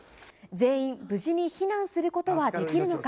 全員、無事に避難することはできるのか？